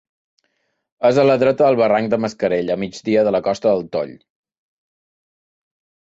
És a la dreta del barranc de Mascarell, a migdia de la Costa del Toll.